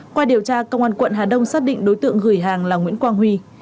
qua điều tra công an quận hà đông xác định đối tượng gửi hàng là nguyễn quang huy